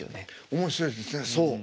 面白いですねそう。